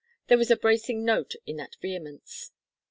There was a bracing note in that vehemence.